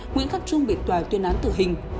nguyễn cấp trung bị tòa tuyên án tử hình